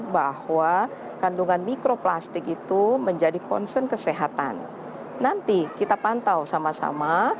bahwa kandungan mikroplastik itu menjadi concern kesehatan nanti kita pantau sama sama